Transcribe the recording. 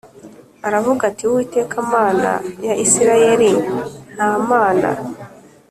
Aravuga ati Uwiteka Mana ya Isirayeli nta mana